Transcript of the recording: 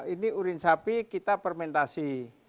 ini urin sapi kita fermentasi